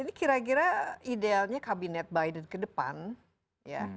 ini kira kira idealnya kabinet biden ke depan ya